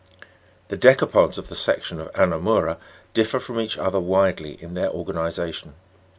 7. The decapods of the section of ANOMOU'RA differ from each other widely in their organization.